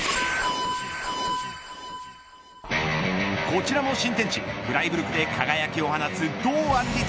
こちらも新天地フライブルクで輝きを放つ堂安律。